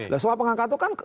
nah soal pengangkatan itu kan